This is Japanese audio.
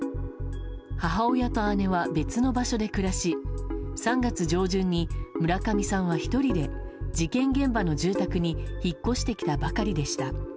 母親と姉は別の場所で暮らし３月上旬に、村上さんは１人で事件現場の住宅に引っ越してきたばかりでした。